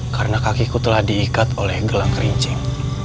karena kakiku telah diikat oleh gelang kerincing